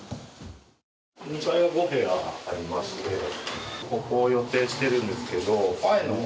２階は５部屋ありまして、ここを予定しているんですけど。